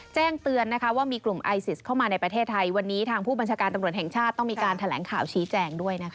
แจ้งเตือนว่ามีกลุ่มไอซิสเข้ามาในประเทศไทยวันนี้ทางผู้บัญชาการตำรวจแห่งชาติต้องมีการแถลงข่าวชี้แจงด้วย